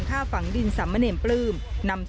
จุดฝังศพสมเนติศาสตร์จังหวัดนครศรีธรรมราช